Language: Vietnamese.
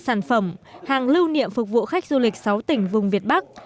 sản phẩm hàng lưu niệm phục vụ khách du lịch sáu tỉnh vùng việt bắc